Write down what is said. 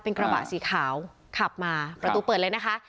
เป็นกระบะสีขาวขับมาประตูเปิดเลยนะคะ